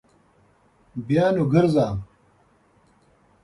بیا نو ګرځه